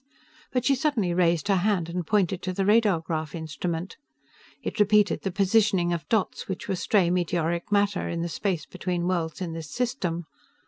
But she suddenly raised her hand and pointed to the radar graph instrument. It repeated the positioning of dots which were stray meteoric matter in the space between worlds in this system.